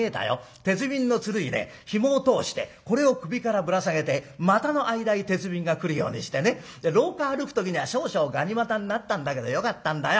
鉄瓶の弦にねひもを通してこれを首からぶら下げて股の間へ鉄瓶が来るようにしてね廊下歩く時には少々がに股になったんだけどよかったんだよ。